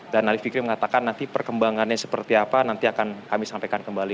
alif fikri mengatakan nanti perkembangannya seperti apa nanti akan kami sampaikan kembali